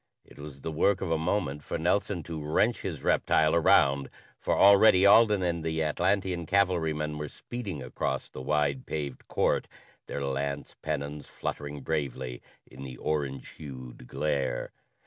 It was the work of a moment for Nelson to wrench his reptile around, for already Alden and the Atlantean cavalrymen were speeding across the wide paved court, their lance pennons fluttering bravely in the orange hued glare.